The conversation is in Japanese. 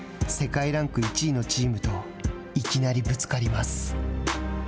世界ランク１位のチームといきなりぶつかります。